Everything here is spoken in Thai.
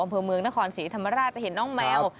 อำเภอเมืองนครศรีธรรมราชจะเห็นน้องแมว